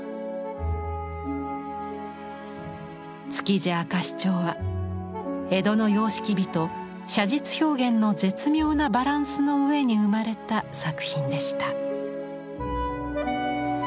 「築地明石町」は江戸の様式美と写実表現の絶妙なバランスのうえに生まれた作品でした。